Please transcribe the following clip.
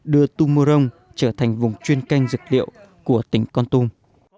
đưa tư mô rông trở thành vùng chuyên canh dược liệu của tỉnh con tùng